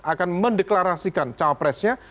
akan mendeklarasikan capresnya